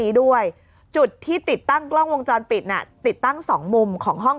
นี้ด้วยจุดที่ติดตั้งกล้องวงจรปิดน่ะติดตั้งสองมุมของห้อง